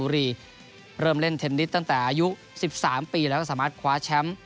เริ่มเล่นเทนนิสตั้งแต่อายุ๑๓ปีแล้วก็สามารถคว้าแชมป์